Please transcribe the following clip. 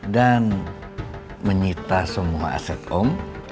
dan menyita semua aset om